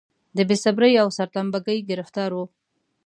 د بې صبرۍ او سرتمبه ګۍ ګرفتار و.